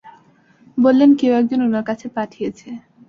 বললেন কেউ একজন উনার কাছে পাঠিয়েছে।